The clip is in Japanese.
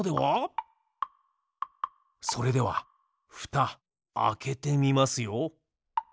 それではふたあけてみますよ。